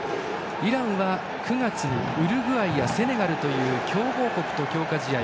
イランは９月にウルグアイ、セネガルという強豪国と強化試合。